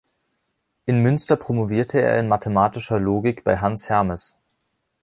In Münster promovierte er in mathematischer Logik bei Hans Hermes.